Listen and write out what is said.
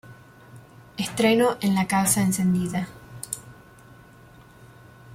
Estreno en La Casa Encendida.